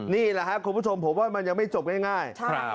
นี่แหละครับคุณผู้ชมผมว่ามันยังไม่จบง่าย